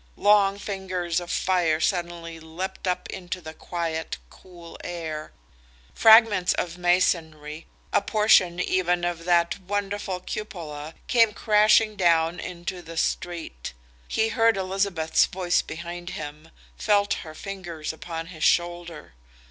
Long fingers of fire suddenly leapt up into the quiet, cool air. Fragments of masonry, a portion, even, of that wonderful cupola, came crashing down into the street. He heard Elizabeth's voice behind him, felt her fingers upon his shoulder.